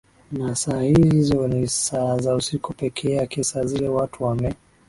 na saa hizo ni saa za usiku pekee yake saa zile watu wamee